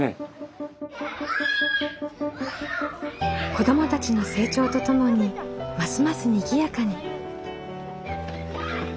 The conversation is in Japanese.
子どもたちの成長とともにますますにぎやかに。